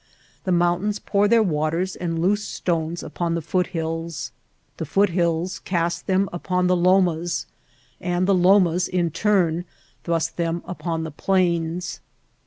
The moun tains pour their waters and loose stones upon the foot hills, the foot hills cast them off upon the lomas, and the lomas in turn thrust them upon the plains.